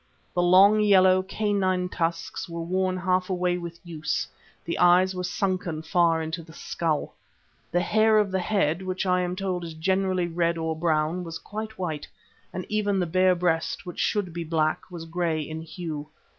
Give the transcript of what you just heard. The long, yellow, canine tusks were worn half away with use; the eyes were sunken far into the skull; the hair of the head, which I am told is generally red or brown, was quite white, and even the bare breast, which should be black, was grey in hue.